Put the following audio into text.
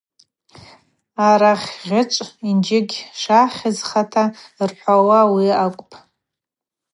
Арахьгьычӏв Йынджьыгь шахьызхата рхӏвауа ауи акӏвпӏ.